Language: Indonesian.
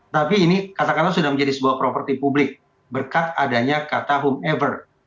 tapi ini kata kata sudah menjadi sebuah properti publik berkat adanya kata whomever